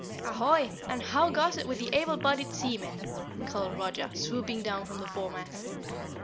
"Ahoy! and how goes it with the able bodied seaman?" called Roger, swooping down from the foremast.